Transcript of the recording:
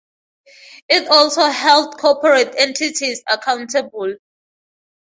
It also held corporate entities accountable.